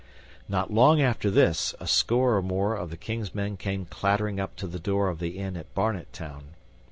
Not long after this, a score or more of the King's men came clattering up to the door of the inn at Barnet Town.